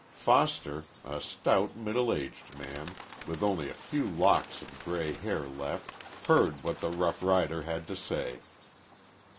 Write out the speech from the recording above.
Foster, a stout, middle aged man with only a few locks of gray hair left, heard what the rough rider had to say.